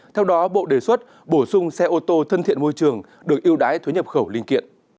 theo đó bộ đề xuất bổ sung xe ô tô thân thiện môi trường được yêu đái thuế nhập khẩu linh kiện